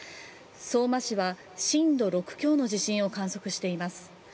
相馬市は、震度６強の地震を観測しています。